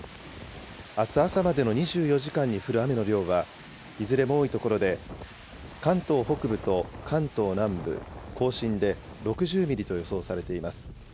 あす朝までの２４時間に降る雨の量はいずれも多い所で、関東北部と関東南部、甲信で６０ミリと予想されています。